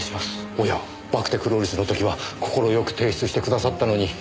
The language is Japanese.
おやバクテクロリスの時は快く提出してくださったのに。